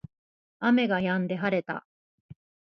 雨が止んで晴れた